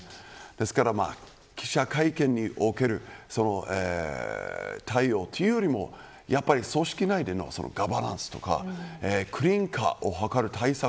ですから、記者会見における対応というよりも組織内でのガバナンスとかクリーン化を図る対策